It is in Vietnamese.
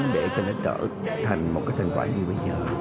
để cho nó trở thành một cái thành quả như bây giờ